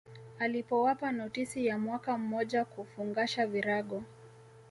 Alipowapa notisi ya mwaka mmoja kufungasha virago